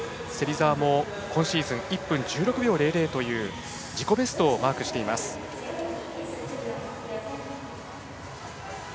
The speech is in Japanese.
芹澤も今シーズン１分１６秒００という自己ベストをマークしています。